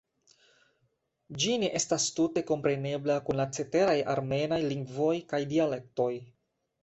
Ĝi ne estas tute komprenebla kun la ceteraj armenaj lingvoj kaj dialektoj.